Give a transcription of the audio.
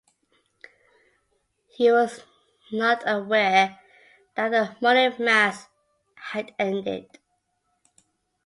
He was not aware that the morning Mass had ended.